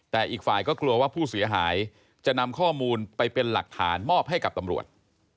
แต่อีกฝ่ายก็กลัวว่าผู้เสียหายจะนำข้อมูลไปเป็นหลักฐานมอบให้กับตำรวจ